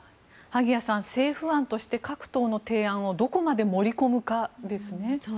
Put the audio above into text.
萩谷さん政府案として各党の提案をどこまで盛り込むかですね。